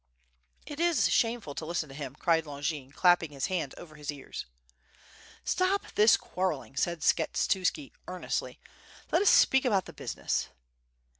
"It is shameful to listen to him," cried Longin, clapping his hands over his ears. "Stop this quarreling," said Skshetuski, earnestly. "Let us speak about the business."